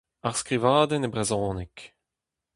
Ar skrivadenn e brezhoneg.